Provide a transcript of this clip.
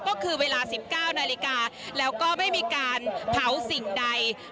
ก็คือเวลา๑๙นาฬิกาแล้วก็ไม่มีการเผาสิ่งใด